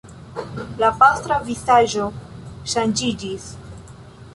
La pastra vizaĝo ŝanĝiĝis.